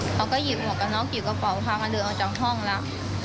เขาก็หยิบกระเป๋าพามาเดินออกจากห้องแล้ว